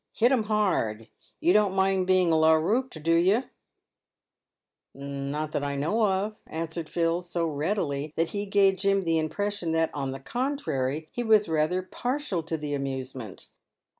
Hit 'em hard. You don't mind being larrupped, do you ?" "Not that I know of," answered Phil, so readily that he gave Jim the impression that, on the contrary, he was rather partial to the amusement.